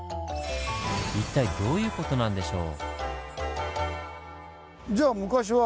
一体どういう事なんでしょう？